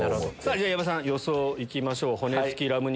じゃ矢部さん予想いきましょう。